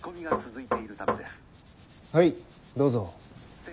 はいどうぞ。